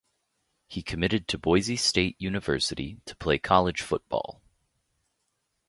He committed to Boise State University to play college football.